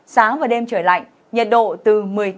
sáng và đêm trời lạnh nhiệt độ từ